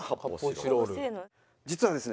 実はですね